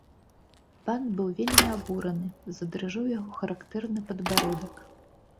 Пан быў вельмі абураны, задрыжэў яго характэрны падбародак.